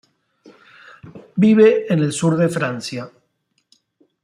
Vive en el sur de Francia.